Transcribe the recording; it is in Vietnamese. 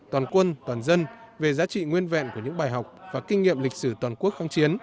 toàn quân toàn dân về giá trị nguyên vẹn của những bài học và kinh nghiệm lịch sử toàn quốc kháng chiến